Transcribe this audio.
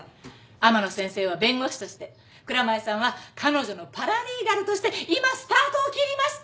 天野先生は弁護士として蔵前さんは彼女のパラリーガルとして今スタートを切りました！